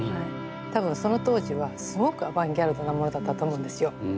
多分その当時はすごくアバンギャルドなものだったと思うんですよ。